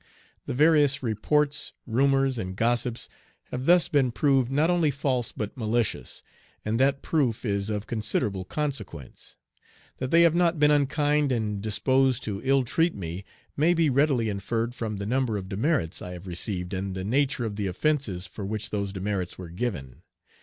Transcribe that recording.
The various reports, rumors, and gossips have thus been proved not only false but malicious, and that proof is of considerable consequence. That they have not been unkind and disposed to ill treat me may be readily inferred from the number of demerits I have received, and the nature of the offences for which those demerits were given.